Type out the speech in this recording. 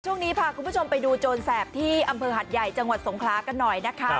ช่วงนี้พาคุณผู้ชมไปดูโจรแสบที่อำเภอหัดใหญ่จังหวัดสงคลากันหน่อยนะคะ